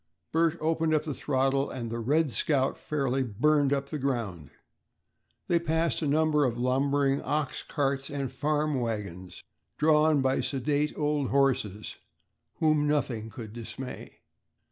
Bert opened up the throttle and the "Red Scout" fairly "burned up the ground." They passed a number of lumbering ox carts and farm wagons drawn by sedate old horses, whom nothing could dismay.